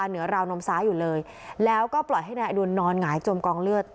เหนือราวนมซ้ายอยู่เลยแล้วก็ปล่อยให้นายอดุลนอนหงายจมกองเลือด